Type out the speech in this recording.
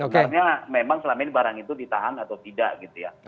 karena memang selama ini barang itu ditahan atau tidak gitu ya